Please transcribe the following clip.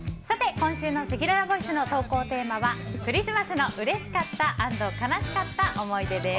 今週のせきららボイスの投稿テーマはクリスマスのうれしかった＆悲しかった思い出です。